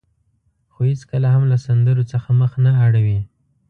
خو هېڅکله هم له سندرو څخه مخ نه اړوي.